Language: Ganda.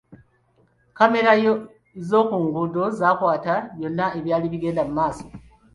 Kkamera z'oku nguudo zaakwata byonna ebyali bigenda mu maaso.